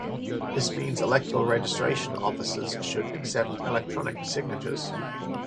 This means electoral registration offices should accept electronic signatures